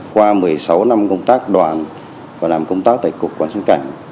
qua một mươi sáu năm công tác đoàn và làm công tác tại cục quản lý xuất cảnh